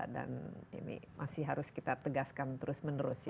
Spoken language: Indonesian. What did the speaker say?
dan ini masih harus kita tegaskan terus menerus ya